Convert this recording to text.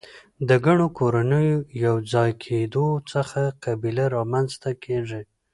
د ګڼو کورنیو د یو ځای کیدو څخه قبیله رامنځ ته کیږي.